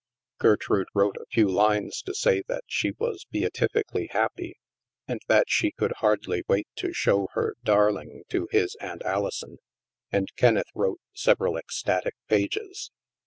Gertrude wrote a few lines to say that she was " beatifically happy," and that she could hardly wait to show her darling to his Aunt Alison, and Kenneth wrote several ecstatic pages.